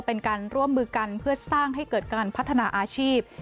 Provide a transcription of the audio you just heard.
เป็นการร่วมมือกันเพื่อสร้างให้เกิดการพัฒนาอาชีพ